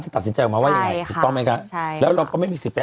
แต่ก็